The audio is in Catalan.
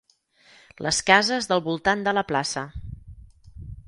Les cases del voltant de la plaça.